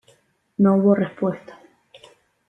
No hubo respuesta.